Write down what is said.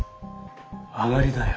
上がりだよ。